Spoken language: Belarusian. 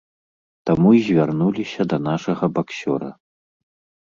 Таму і звярнуліся да нашага баксёра.